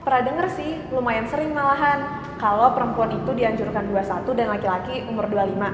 pernah denger sih lumayan sering malahan kalau perempuan itu dianjurkan dua puluh satu dan laki laki umur dua puluh lima